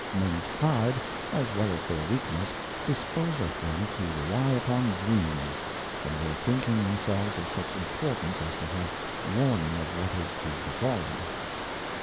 MENS Pride, as well as their Weakness, disposeth them to Dream/, . rely upon Dreams, from their thinking themselves of such Importance as to have Warning of what is to befal them.